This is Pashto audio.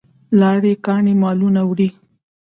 لاری ګانې مالونه وړي.